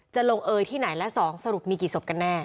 จะลงเอยที่ไหนและ๒สรุปมีกี่ศพกันแน่